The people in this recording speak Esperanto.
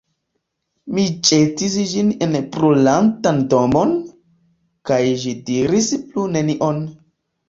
Mi ĵetis ĝin en brulantan domon, kaj ĝi diris plu nenion.